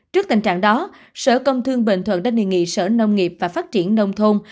trước tình trạng đó sở công thương bình thuận đã đề nghị sở nông nghiệp và phát triển nông thôn